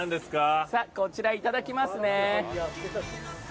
こちら、いただきますね。